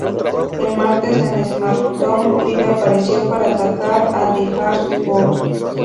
El martes en SmackDown Live apareció para atacar a The Hardy Boyz.